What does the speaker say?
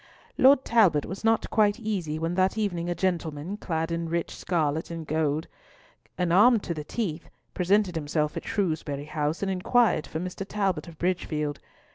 Lord Talbot was not quite easy when that evening a gentleman, clad in rich scarlet and gold, and armed to the teeth, presented himself at Shrewsbury House and inquired for Mr. Talbot of Bridgefield.